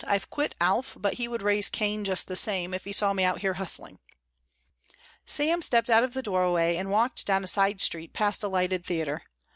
I've quit Alf, but he would raise Cain just the same, if he saw me out here hustling." Sam stepped out of the doorway and walked down a side street past a lighted theatre.